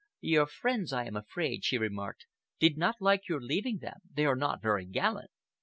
"Your friends, I am afraid," she remarked, "did not like your leaving them. They are not very gallant."